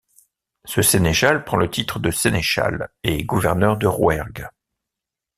Ce sénéchal prend le titre de Sénéchal et gouverneur de Rouergue.